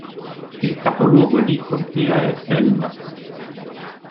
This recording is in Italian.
Il capoluogo di contea è Selma.